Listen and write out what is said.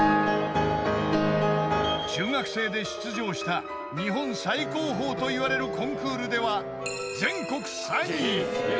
［中学生で出場した日本最高峰といわれるコンクールでは］